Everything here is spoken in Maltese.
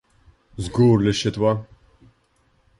Żgur li x-xitwa!